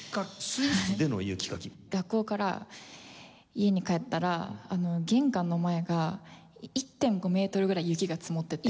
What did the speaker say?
学校から家に帰ったら玄関の前が１．５メートルぐらい雪が積もってて。